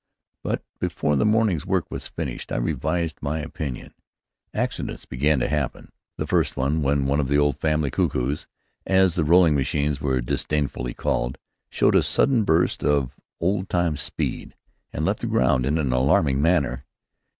But before the morning's work was finished, I revised my opinion. Accidents began to happen, the first one when one of the "old family cuckoos," as the rolling machines were disdainfully called, showed a sudden burst of old time speed and left the ground in an alarming manner.